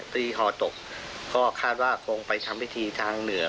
ตีฮอตกก็คาดว่าคงไปทำพิธีทางเหนือ